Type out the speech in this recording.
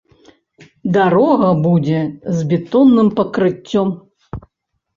Дарога будзе з бетонным пакрыццём.